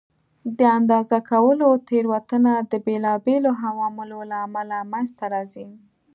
د اندازه کولو تېروتنه د بېلابېلو عواملو له امله منځته راځي.